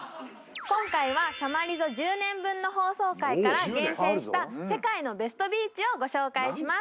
今回は「さまリゾ」１０年分の放送回から厳選した世界のベストビーチをご紹介します